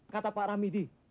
kata pak ramidi